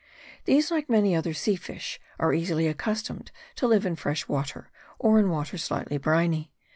These, like many other sea fish, are easily accustomed to live in fresh water, or in water slightly briny.